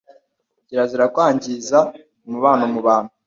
Kirazira kwangiza umubano mu bantu